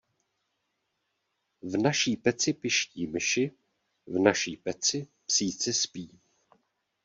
V naší peci piští myši, v naší peci psíci spí.